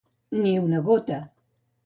Ni una gota.